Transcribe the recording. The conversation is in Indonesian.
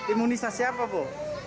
imunisasi apa bu